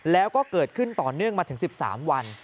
แล้วก็เกิดขึ้นต่อเนื่องมาถึง๑๓วัน